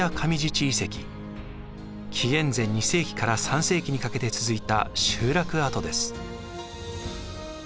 紀元前２世紀から３世紀にかけて続いた集落跡です。